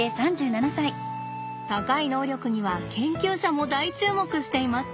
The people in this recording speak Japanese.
高い能力には研究者も大注目しています。